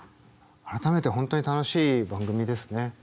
改めて本当に楽しい番組ですね。